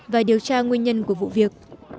và điều tra nguyên nhân của vụ việc